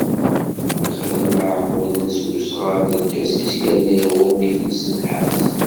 Ixdem iɛmuden s usɣar n lkasis, yerna iɣumm-iten s nnḥas.